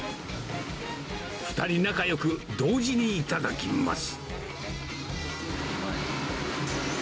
２人仲よく同時に頂きます。